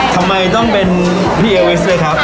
ทำไมต้องเป็นพี่เอวิสด้วยครับ